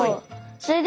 それで